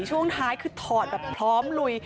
ช่วงท้ายคือถอดแบบพร้อมลุย